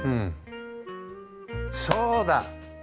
そうだ！